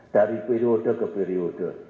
dari periode ke periode